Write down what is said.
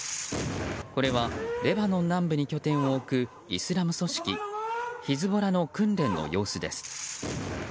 これはレバノン南部に拠点を置くイスラム組織ヒズボラの訓練の様子です。